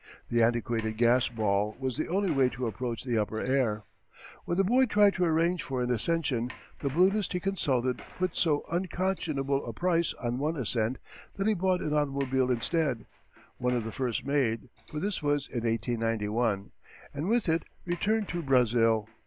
The antiquated gas ball was the only way to approach the upper air. When the boy tried to arrange for an ascension the balloonist he consulted put so unconscionable a price on one ascent that he bought an automobile instead one of the first made, for this was in 1891 and with it returned to Brazil.